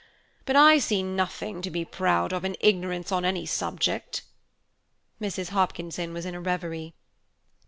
But I see nothing to be proud of in ignorance on any subject!" Mrs. Hopkinson was in a reverie.